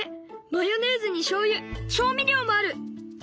マヨネーズにしょうゆ調味料もある！